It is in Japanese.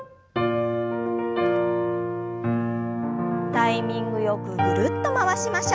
タイミングよくぐるっと回しましょう。